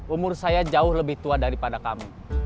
umur saya jauh lebih tua daripada kami